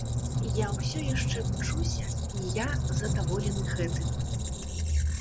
Я ўсё яшчэ вучуся, і я задаволены гэтым.